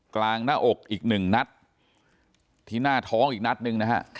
กลางหน้าอกอีกหนึ่งนัดที่หน้าท้องอีกนัดหนึ่งนะฮะ